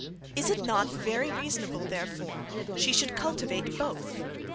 Is it not very reasonable, therefore, she should cultivate both?"